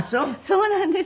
そうなんです。